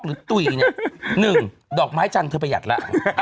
หนึ่งดอกไม้จันทร์เธอประหยัดละ